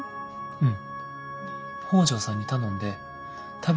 うん。